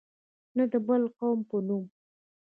نه د بل قوم په نوم.